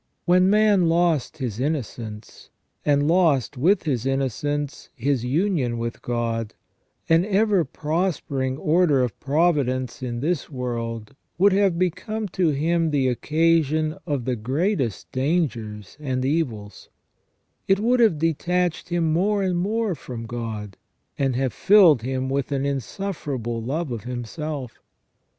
When man lost his innocence, and lost, with his innocence, his union with God, an ever prospering order of providence in this world would have become to him the occasion of the greatest dangers and evils ; it would have detached him more and more from God, and have filled him with an insufferable love of himself.